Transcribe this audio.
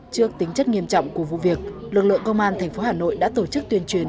trước tính chất nghiêm trọng của vụ việc lực lượng công an tp hà nội đã tổ chức tuyên truyền